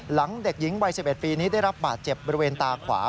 เด็กหญิงวัย๑๑ปีนี้ได้รับบาดเจ็บบริเวณตาขวา